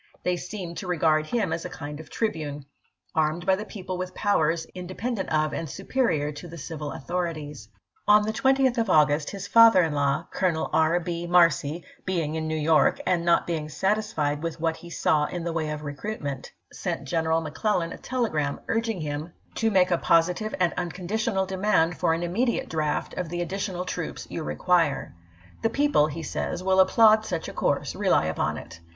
They seemed to regard him as a kind of tribune, armed by the people with powers independent of and superior to the civil authorities. On the 20th of August his father in law, Colonel R. B. Marcy, be ing in New York, and not being satisfied with what he saw in the way of recruitment, sent General Mc CleUan a telegram urging him " to make a positive 51!Sfiill'«l!iPiBl!llSl!l|iiS GENERAL CHARLES P. STONE. THE AEMY OF THE POTOMAC 449 and unconditional demand for an immediate draft of the additional troops you require." " The people," he says, " will applaud such a course, rely upon it."